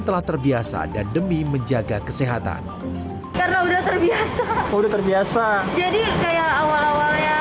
kalau saya mah udah nyaman nggak apa soalnya banyak rebuh